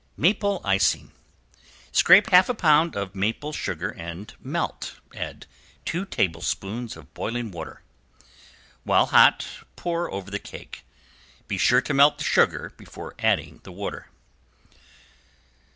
~MAPLE ICING~ Scrape half a pound of maple sugar and melt, add two tablespoons of boiling water. While hot pour over the cake. Be sure to melt the sugar before adding the water.